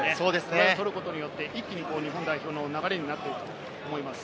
これを取ることによって一気に日本代表の流れになっていくと思います。